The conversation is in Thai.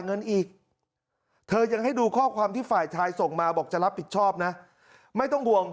เงินอีกเธอยังให้ดูข้อความที่ฝ่ายชายส่งมาบอกจะรับผิดชอบนะไม่ต้องห่วง